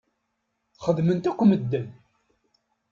Xedmen-t akk medden.